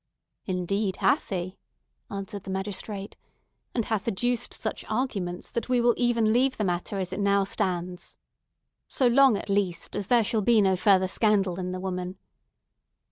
"Indeed hath he," answered the magistrate; "and hath adduced such arguments, that we will even leave the matter as it now stands; so long, at least, as there shall be no further scandal in the woman.